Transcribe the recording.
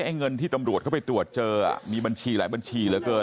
เงินที่ตำรวจเข้าไปตรวจเจอมีบัญชีหลายบัญชีเหลือเกิน